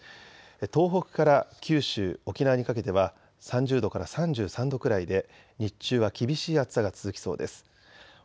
東北から九州、沖縄にかけては３０度から３３度くらいで日中は厳しい暑さが続きそうです。